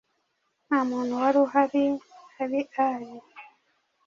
Nta muntu wari uhari ari Ali